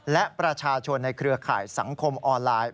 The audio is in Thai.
และประชาชนในเครือข่ายสังคมออนไลน์